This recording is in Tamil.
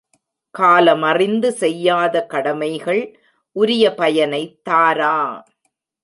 காலமறிந்து செய்யாத கடமைகள் உரிய பயனை தாரா.